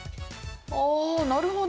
ああなるほど。